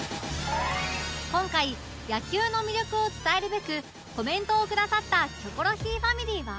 今回野球の魅力を伝えるべくコメントをくださった『キョコロヒー』ファミリーは